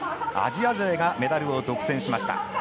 アジア勢がメダルを独占しました。